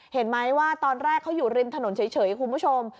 เห็นไหมว่าตอนแรกเขาอยู่ริมถนนเฉยคุณผู้ชม